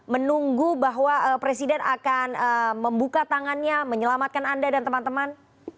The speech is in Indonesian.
menunggu bahwa presiden akan membuka tangannya menyelamatkan anda dan teman teman